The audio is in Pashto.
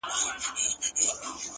• پیدا کړی چي خالق فاني جهان دی ,